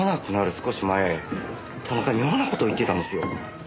少し前田中妙な事を言ってたんですよ。